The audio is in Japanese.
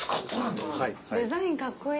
デザインカッコいい。